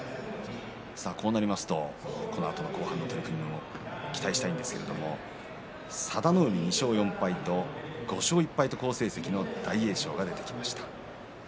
こうなりますとこのあとの後半の取組も期待したいんですけれど佐田の海２勝４敗と５勝１敗と好成績の大栄翔が出てきました。